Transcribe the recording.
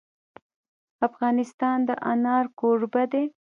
افغانستان د انار کوربه دی.